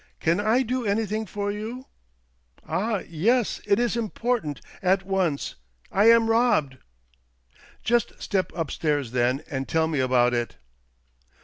" Can I do anything for you ?" "Ah yes — it is important — at once! I am robbed !" "Just step upstairs, then, and tell me about it."